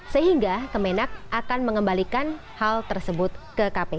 sehingga kemenak akan mengembalikan hal tersebut ke kpk